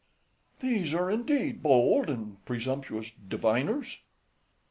These are, indeed, bold and presumptuous diviners. MENIPPUS.